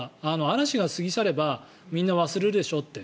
嵐が過ぎ去ればみんな忘れるでしょって。